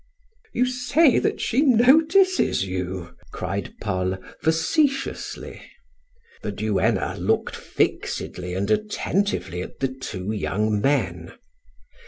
"You say that she notices you?" cried Paul, facetiously. The duenna looked fixedly and attentively at the two young men.